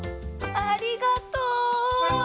ありがとう！